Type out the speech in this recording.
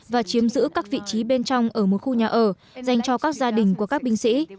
và chiếm giữ các vị trí bên trong ở một khu nhà ở dành cho các gia đình của các binh sĩ